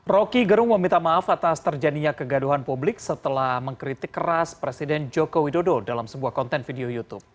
roky gerung meminta maaf atas terjadinya kegaduhan publik setelah mengkritik keras presiden joko widodo dalam sebuah konten video youtube